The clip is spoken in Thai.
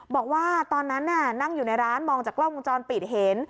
บอกว่าตอนนั้นน่ะนั่งอยู่ในร้านมองจากกล้องวงจรปิดเห็น